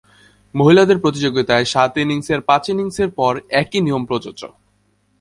মহিলাদের প্রতিযোগিতায় সাত ইনিংসের পাঁচ ইনিংসের পর একই নিয়ম প্রযোজ্য।